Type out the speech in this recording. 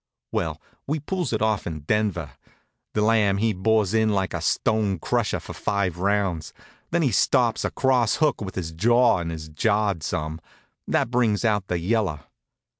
Well, we pulls it off in Denver. The Lamb he bores in like a stone crusher for five rounds. Then he stops a cross hook with his jaw and is jarred some. That brings out the yellow.